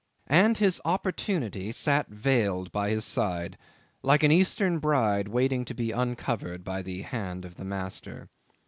And his opportunity sat veiled by his side like an Eastern bride waiting to be uncovered by the hand of the master.